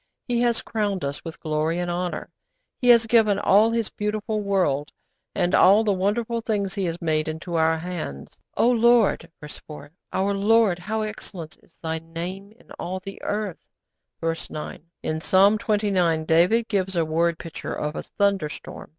He has crowned us with glory and honour. He has given all His beautiful world, and all the wonderful things He has made, into our hands. 'O Lord (verse 4) our Lord, how excellent is Thy name in all the earth.' (Verse 9.) In Psalm xxix. David gives a word picture of a thunderstorm.